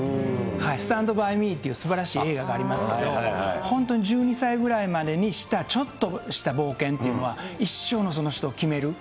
スタンド・バイ・ミーっていうすばらしい映画がありますけど、本当に１２歳ぐらいまでにしたちょっとした冒険っていうのは、一生のその人を決める。